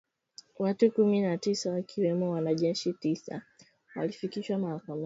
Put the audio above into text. Watu kumi na tisa wakiwemo wanajeshi tisa walifikishwa mahakamani